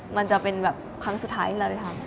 มันจะเป็นแบบครั้งสุดท้ายที่เราได้ทำ